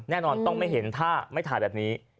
แน่นอนต้องไม่เห็นถ้าไม่ถ่ายแบบนี้